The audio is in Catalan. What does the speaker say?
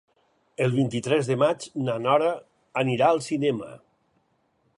El vint-i-tres de maig na Nora anirà al cinema.